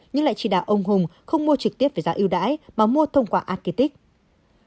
nhưng lại chỉ đạo ông hùng không mua trực tiếp về giá ưu đãi mà mua thông qua architect